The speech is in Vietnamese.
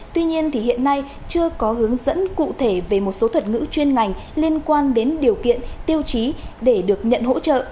tuy nhiên hiện nay chưa có hướng dẫn cụ thể về một số thuật ngữ chuyên ngành liên quan đến điều kiện tiêu chí để được nhận hỗ trợ